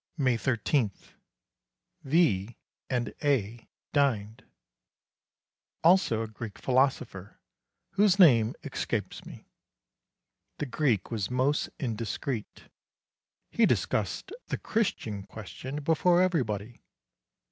May 13. V.... and A.... dined. Also a Greek philosopher whose name escapes me. The Greek was most indiscreet. He discussed the Christian question before everybody.